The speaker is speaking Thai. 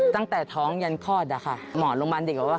ตั้งแต่วิ้นปี่ย์ลงไปนะคะ